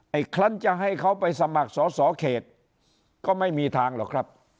คลั้นจะให้เขาไปสมัครสอสอเขตก็ไม่มีทางหรอกครับ